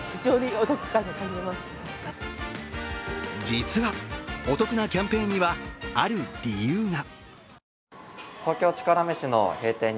実は、お得なキャンペーンにはある理由が。